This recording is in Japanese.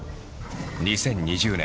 ２０２０年